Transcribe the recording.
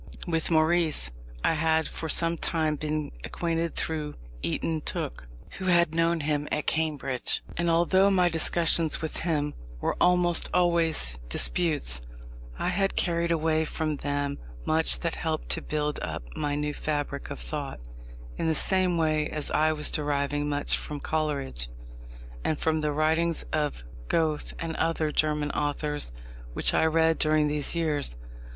With Maurice I had for some time been acquainted through Eyton Tooke, who had known him at Cambridge, and although my discussions with him were almost always disputes, I had carried away from them much that helped to build up my new fabric of thought, in the same way as I was deriving much from Coleridge, and from the writings of Goethe and other German authors which I read during these years.